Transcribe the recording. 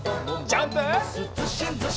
ジャンプ！